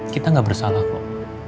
kita gak bersalah kok